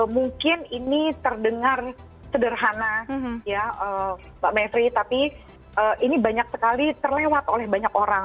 mungkin ini terdengar sederhana ya mbak mevri tapi ini banyak sekali terlewat oleh banyak orang